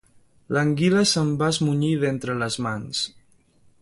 L'anguila se'm va esmunyir d'entre les mans.